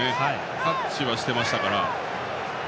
タッチはしてましたから。